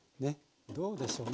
どうでしょうね？